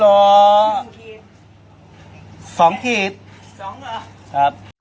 เป็นสถานที่นักธุรกิจ